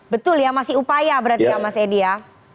betul ya masih upaya berarti ya mas edi ya